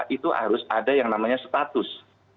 itu harus ada yang namanya status